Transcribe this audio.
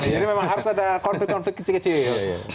jadi memang harus ada konflik konflik kecil kecil